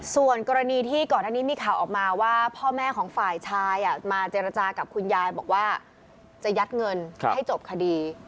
ส่วนกรณีที่ก่อนอันนี้มีข่าวออกมาว่าพ่อแม่ของฝ่ายชายมาเจรจากับคุณยายบอกว่าจะยัดเงินให้จบคดี